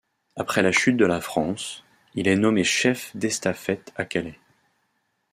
Après la chute de la France, il est nommé Chef d'estafette à Calais.